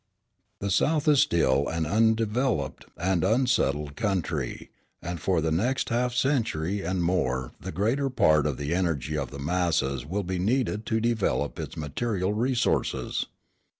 The South is still an undeveloped and unsettled country, and for the next half century and more the greater part of the energy of the masses will be needed to develop its material resources.